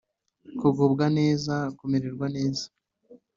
kugubwa neza: kumererwa neza